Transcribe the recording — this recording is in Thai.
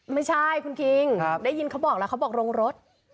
ไม่ใช่คุณคิงได้ยินเขาบอกแล้วเขาบอกโรงรถ